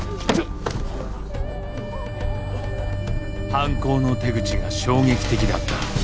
犯行の手口が衝撃的だった。